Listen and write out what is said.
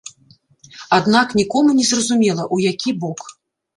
Аднак нікому не зразумела, у які бок.